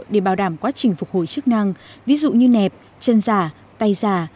để bảo đảm quá trình phục hồi chức năng ví dụ như nẹp chân giả tay già